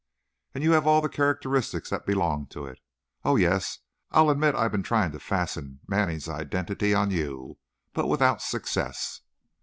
And you have all the characteristics that belong to it. Oh, yes, I admit I've been trying to fasten Manning's identity on you, but without success."